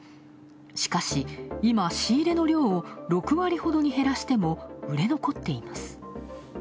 しかし、今、仕入れの量を６割ほどに減らしても売れ残っています。